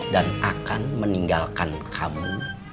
dan akan meninggalkan kamu